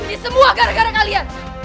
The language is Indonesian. ini semua gara gara kalian